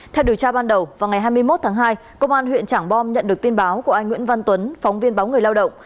theo điều tra ban đầu vào ngày hai mươi một tháng hai công an huyện trảng bom nhận được tin báo của anh nguyễn văn tuấn phóng viên báo người lao động